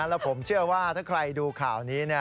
และผมเชื่อว่าถ้าใครดูข่าวนี้เนี่ย